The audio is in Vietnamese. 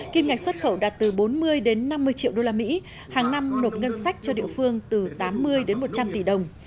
kim ngạch xuất khẩu đạt từ bốn mươi đến năm mươi triệu đô la mỹ hàng năm nộp ngân sách cho địa phương từ tám mươi đến một trăm linh tỷ đồng